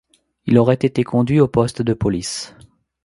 Il aurait été conduit au poste de police.